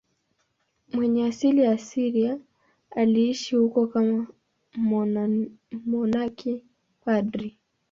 Mwenye asili ya Syria, aliishi huko kama mmonaki padri.